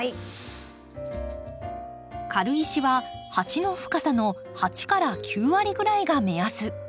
軽石は鉢の深さの８から９割ぐらいが目安。